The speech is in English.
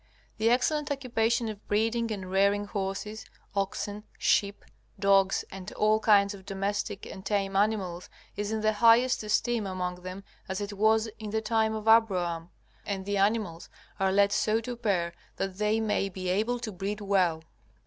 The excellent occupation of breeding and rearing horses, oxen, sheep, dogs, and all kinds of domestic and tame animals is in the highest esteem among them as it was in the time of Abraham. And the animals are led so to pair that they may be able to breed well.